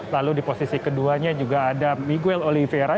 lalu di posisi keduanya juga ada miguel oliveira